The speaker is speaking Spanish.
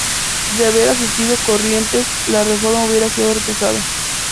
De haber asistido Corrientes, la reforma hubiera sido rechazada.